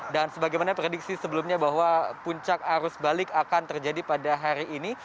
dan sebagaimana prediksi sebelumnya bahwa puncak arus balik akan terjadi pada hari ini